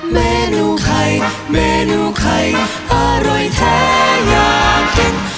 เมนูไข่เมนูไข่อร่อยแท้อยากกิน